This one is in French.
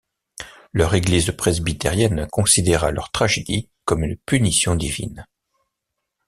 Leur église presbytérienne considéra leur tragédie comme une punition divine.